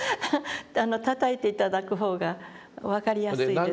たたいて頂く方が分かりやすいですよねうん。